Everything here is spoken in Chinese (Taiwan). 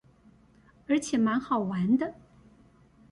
而且滿好玩的